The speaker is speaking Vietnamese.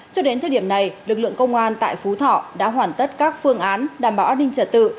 cho đến thời điểm này lực lượng công an tại phú thọ đã hoàn tất các phương án đảm bảo an ninh trật tự